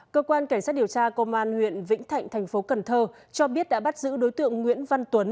cơ quan cảnh sát điều tra công an huyện vĩnh thạnh thành phố cần thơ cho biết đã bắt giữ đối tượng nguyễn văn tuấn